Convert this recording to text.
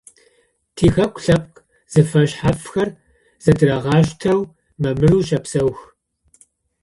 Тихэку лъэпкъ зэфэшъхьафхэр зэдырагъаштэу, мамырэу щэпсэух.